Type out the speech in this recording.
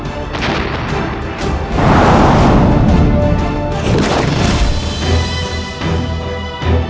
aku penasaran apa dulu teman teman kita